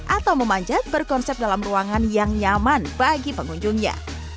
atau memanjat berkonsep dalam ruangan yang nyaman bagi pengunjungnya